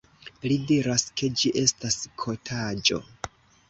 Li diras, ke ĝi estas kotaĵo!